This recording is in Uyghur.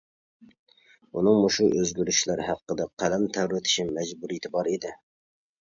ئۇنىڭ مۇشۇ ئۆزگىرىشلەر ھەققىدە قەلەم تەۋرىتىش مەجبۇرىيىتى بار ئىدى.